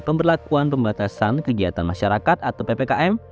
pemberlakuan pembatasan kegiatan masyarakat atau ppkm